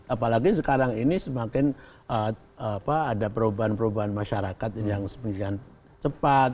apalagi sekarang ini semakin ada perubahan perubahan masyarakat yang cepat